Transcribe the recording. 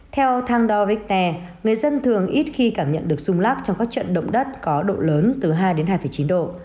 theo thang doric te người dân thường ít khi cảm nhận được rung lắc trong các trận động đất có độ lớn từ hai hai chín độ